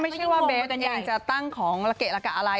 ไม่ใช่ว่าเบสยังจะตั้งของละเกะละกะอะไร